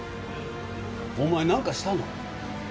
お前何かしたの？